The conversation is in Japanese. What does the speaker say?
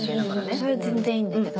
それは全然いいんだけど。